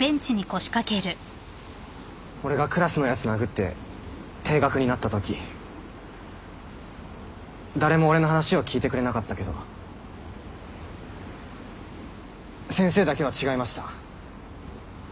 俺がクラスのやつ殴って停学になったとき誰も俺の話を聞いてくれなかったけど先生だけは違いました。